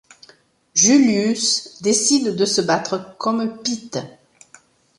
Julius décide de se battre comme Pete.